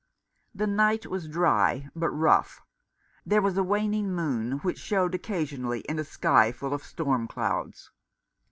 The night was dry, but rough. There was a waning moon, which showed occasionally in a sky full of storm clouds.